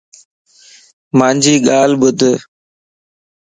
مانجي ڳال ٻڌ